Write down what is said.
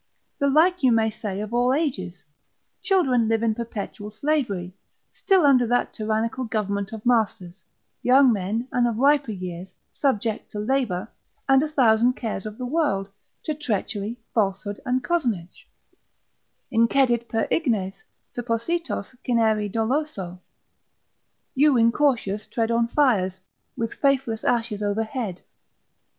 The like you may say of all ages; children live in a perpetual slavery, still under that tyrannical government of masters; young men, and of riper years, subject to labour, and a thousand cares of the world, to treachery, falsehood, and cozenage, ———Incedit per ignes, Suppositos cineri doloso, ———you incautious tread On fires, with faithless ashes overhead.